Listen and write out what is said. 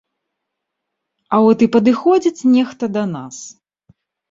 А от і падыходзіць нехта да нас!